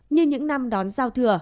như những năm đón giao thừa